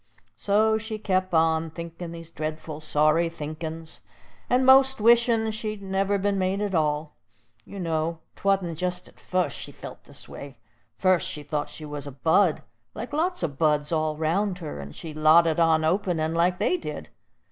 So she kep' on, thinkin' these dreadful sorry thinkin's, and most wishin' she'd never been made at all. You know 'twa'n't jest at fust she felt this way. Fust she thought she was a bud, like lots o' buds all 'round her, and she lotted on openin' like they did.